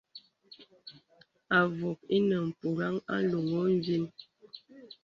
Àvùk ìnə mpùraŋ a loŋə nfīn.